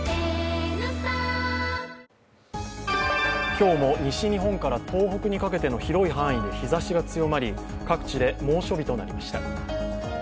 今日も西日本から東北にかけての広い範囲で日ざしが強まり各地で猛暑日となりました。